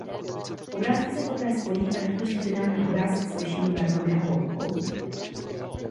Obrázky se poté spojí a vytvoří finální obrázek s lepšími barvami a hloubkou.